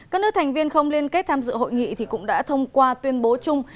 các nước thành viên không liên kết tham dự hội nghị cũng đã thông qua tuyên bố chung